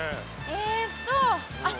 ええっとあっ